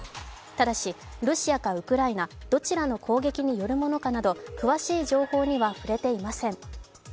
ただしロシアかウクライナどちらの攻撃によるものかなど詳しい情報には触れていません。